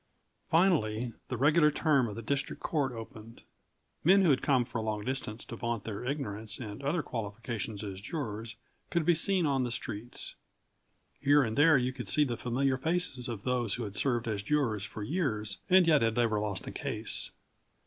Finally, the regular term of the District Court opened. Men who had come for a long distance to vaunt their ignorance and other qualifications as jurors could be seen on the streets. Here and there you could see the familiar faces of those who had served as jurors for years and yet had never lost a case.